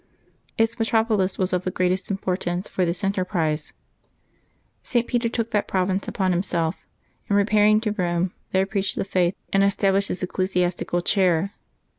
Its metropolis was of the greatest importance for this enter prise. St. Peter took that province upon himself, and, repairing to Eome, there preached the faith and established his ecclesiastical chair.